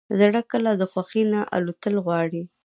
زړه کله د خوښۍ نه الوتل غواړي.